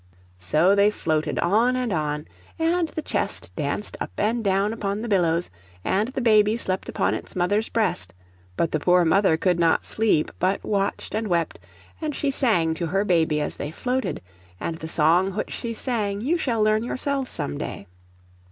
So they floated on and on, and the chest danced up and down upon the billows, and the baby slept upon its mother's breast: but the poor mother could not sleep, but watched and wept, and she sang to her baby as they floated; and the song which she sang you shall learn yourselves some day.